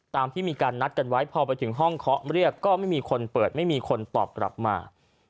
ตามที่มีการนัดกันไว้พอไปถึงห้องเคาะเรียกก็ไม่มีคนเปิดไม่มีคนตอบกลับมา